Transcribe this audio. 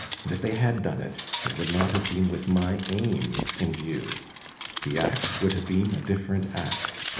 And if they had done it, it would not have been with my aims in view. The act would have been a different act.